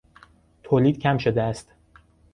تولید کم شده است.